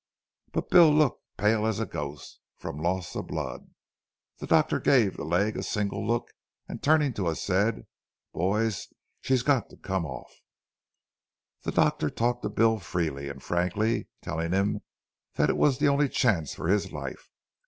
But Bill looked pale as a ghost from the loss of blood. The doctor gave the leg a single look, and, turning to us, said: 'Boys, she has to come off.' "The doctor talked to Bill freely and frankly, telling him that it was the only chance for his life.